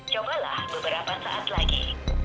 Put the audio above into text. cobalah beberapa saat lagi